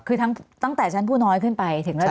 คือตั้งแต่ชั้นผู้น้อยขึ้นไป